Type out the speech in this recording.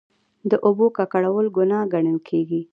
د اوبو ککړول ګناه ګڼل کیږي.